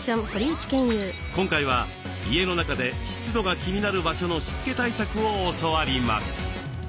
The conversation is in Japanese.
今回は家の中で湿度が気になる場所の湿気対策を教わります。